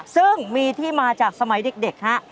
ซึ่งมีที่มาจากสมัยเด็กฮะ